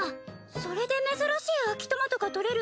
それで珍しい秋トマトが採れる